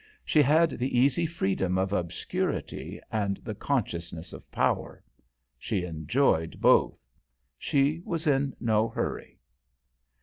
She had the easy freedom of obscurity and the consciousness of power. She enjoyed both. She was in no hurry.